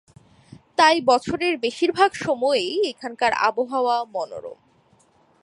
তাই বছরের বেশিরভাগ সময়েই এখানকার আবহাওয়া মনোরম।